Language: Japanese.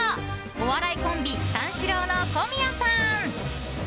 お笑いコンビ三四郎の小宮さん。